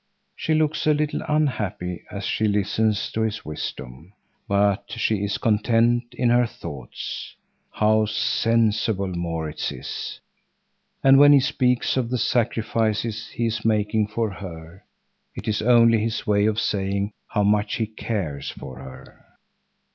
She looks a little unhappy as she listens to his wisdom. But she is content in her thoughts! How sensible Maurits is! And when he speaks of the sacrifices he is making for her, it is only his way of saying how much he cares for her.